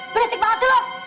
berisik banget sih lo